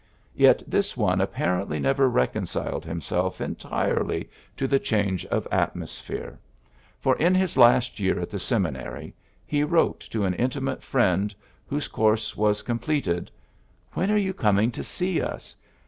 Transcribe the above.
Yet this one apparently never reconciled himself entirely to the change of atmosphere ; for, in his last year at the seminary, he wrote to an intimate friend, whose course was com pleted :^^ When are you coming to see us